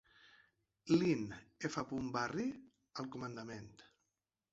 Lynn F. Barry, al comandament.